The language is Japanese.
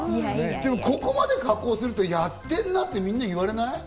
でも、ここまで加工するとやってんなってみんなに言われない？